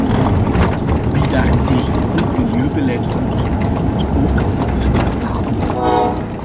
Wie daarentegen een goed milieubeleid voert, hoeft ook minder te betalen.